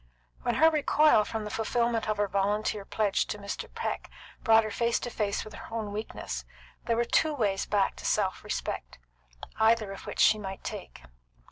When her recoil from the fulfilment of her volunteer pledge to Mr. Peck brought her face to face with her own weakness, there were two ways back to self respect, either of which she might take.